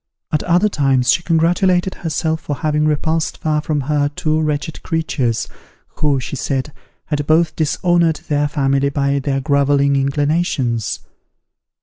At other times she congratulated herself for having repulsed far from her two wretched creatures, who, she said, had both dishonoured their family by their grovelling inclinations.